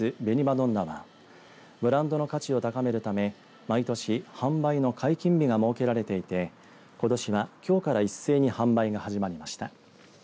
どんなはブランドの価値を高めるため毎年、販売の解禁日が設けられていてことしは、きょうから一斉に販売が始まりました。